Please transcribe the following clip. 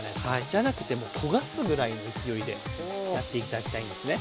じゃなくて焦がすぐらいの勢いでやって頂きたいんですね。